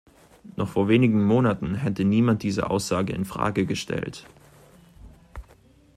Noch vor wenigen Monaten hätte niemand diese Aussage in Frage gestellt.